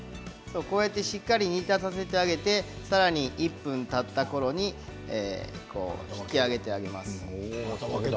しっかり煮立たせてあげて１分たったころ引き上げてあげます。